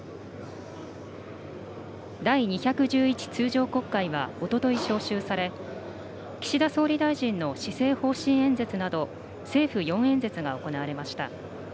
第２１１通常国会はおととい召集され、岸田総理大臣の施政方針演説など、政府４演説が行われました。